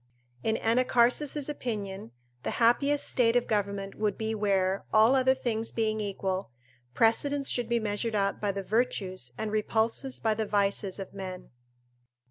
In Anacharsis' opinion, the happiest state of government would be where, all other things being equal, precedence should be measured out by the virtues, and repulses by the vices of men.